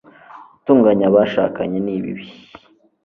gutunganya abashakanye ni bibi